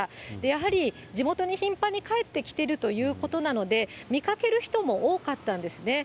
やはり地元に頻繁に帰ってきてるということなので、見かける人も多かったんですね。